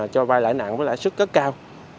cho gai lãi nặng với lại sức cất cao